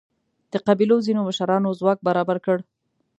د قبیلو ځینو مشرانو ځواک برابر کړ.